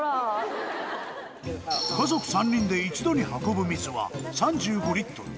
家族３人で一度に運ぶ水は３５リットル。